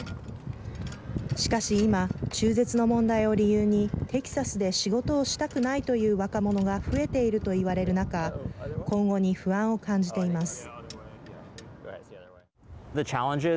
しかし今、中絶の問題を理由にテキサスで仕事をしたくないという若者が増えていると言われる中今後に不安を感じています。